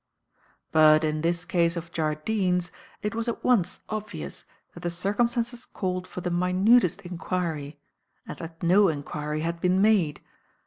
"But in this case of Jardine's it was at once obvious that the circumstances called for the minutest inquiry and that no inquiry had been made.